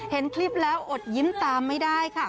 เห็นคลิปแล้วอดยิ้มตามไม่ได้ค่ะ